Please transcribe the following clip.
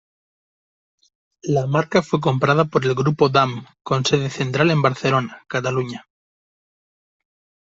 La marca fue comprada por el grupo Damm con sede central en Barcelona, Cataluña.